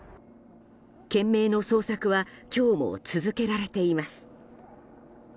懸命の捜索は今日も続けられています。